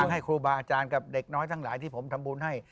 ให้ครูบาอาจารย์กับเด็กน้อยทั้งหลายที่ผมทำบุญให้